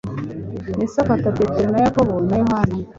yesu afata petero na yakobo na yohana